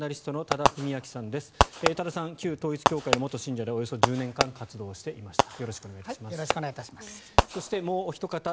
多田さん、旧統一教会の元信者でおよそ１０年間活動していました